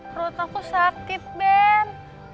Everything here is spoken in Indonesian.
perut aku sakit ben